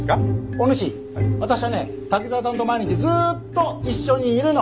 おぬし私はね滝沢さんと毎日ずーっと一緒にいるの。